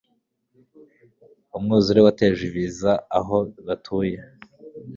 Umwuzure wateje ibiza aho batuye.